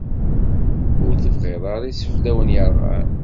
Ur tebɣiḍ ara iseflawen yerɣan.